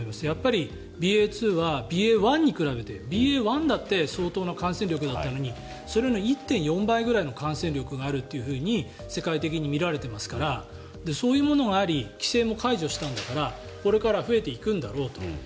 やっぱりＢＡ．２はＢＡ．１に比べてＢＡ．１だって相当の感染力だったのにそれの１．４倍ぐらいの感染力があると世界的に見られていますからそういうものがあり規制も解除したんだからこれから増えていくんだろうと。